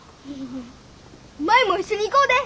舞も一緒に行こうで。